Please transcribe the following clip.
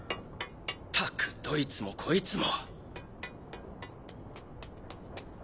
ったくどいつもこいつも。